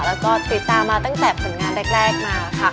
แล้วก็ติดตามมาตั้งแต่ผลงานแรกมาค่ะ